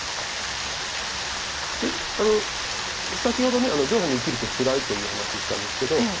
先ほど上辺に生きる手つらいという話ししたんですけど。